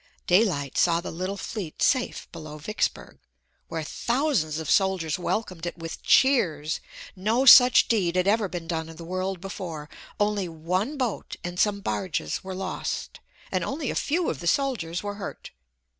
Daylight saw the little fleet safe below Vicksburg, where thousands of soldiers welcomed it with cheers. No such deed had ever been done in the world before. Only one boat and some barges were lost, and only a few of the soldiers were hurt.